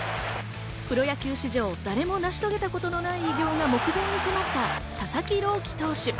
プロ野球史上、誰も成し遂げたことのない偉業が目前に迫った佐々木朗希投手。